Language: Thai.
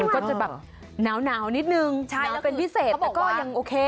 ก็จะแบบหนาวนิดนึงเป็นพิเศษแต่ก็ยังโอเค